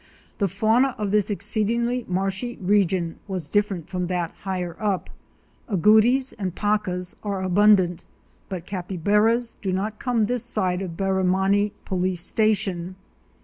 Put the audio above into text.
The fauna of this exceedingly marshy region was different from that higher up. Agoutis and pacas are abundant but capybaras do not come this side of Barramanni Police Sta tion.